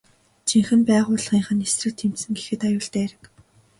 Жинхэнэ байгууллынх нь эсрэг тэмцэнэ гэхэд аюултай хэрэг.